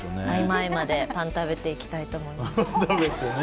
合間、合間でパン食べていきたいと思います。